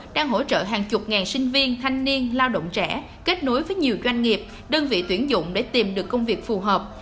đang hỗ trợ hàng chục ngàn sinh viên thanh niên lao động trẻ kết nối với nhiều doanh nghiệp đơn vị tuyển dụng để tìm được công việc phù hợp